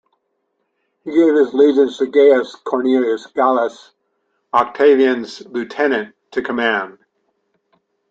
He gave his legions to Gaius Cornelius Gallus, Octavian's lieutenant, to command.